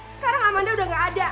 sekarang amanda udah gak ada